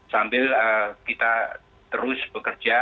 sambil kita terus bekerja